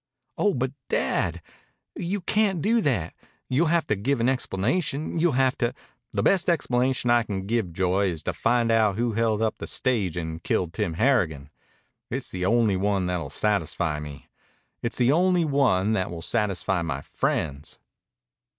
"Oh, but, Dad, you can't do that. You'll have to give an explanation. You'll have to " "The best explanation I can give, Joy, is to find out who held up the stage and killed Tim Harrigan. It's the only one that will satisfy me. It's the only one that will satisfy my friends."